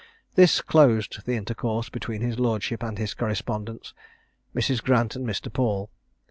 This closed the intercourse between his lordship and his correspondents, Mrs. Grant and Mr. Paul.